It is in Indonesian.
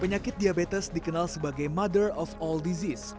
penyakit diabetes dikenal sebagai mother of all disease